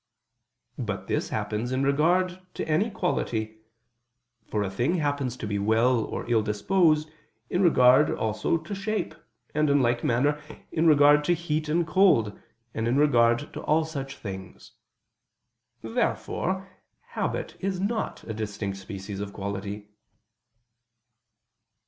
But this happens in regard to any quality: for a thing happens to be well or ill disposed in regard also to shape, and in like manner, in regard to heat and cold, and in regard to all such things. Therefore habit is not a distinct species of quality.